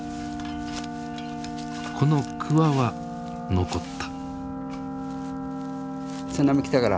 この鍬は残った。